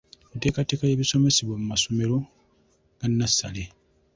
Enteekateeka y’ebisomesebwa mu masomero ga nnassale.